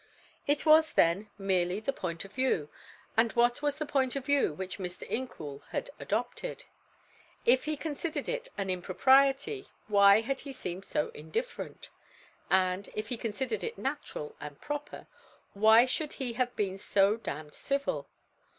It was, then, merely the point of view, and what was the point of view which Mr. Incoul had adopted? If he considered it an impropriety why had he seemed so indifferent? And, if he considered it natural and proper, why should he have been so damned civil?